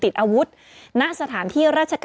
มีสารตั้งต้นเนี่ยคือยาเคเนี่ยใช่ไหมคะ